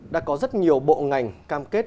đã có rất nhiều bộ ngành cam kết